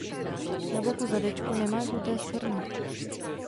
Na boku zadečku nemá žluté skvrny.